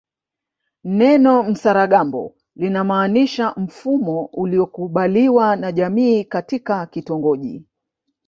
Neno msaragambo linamaanisha mfumo uliokubaliwa na jamii katika kitongoji